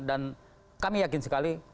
dan kami yakin sekali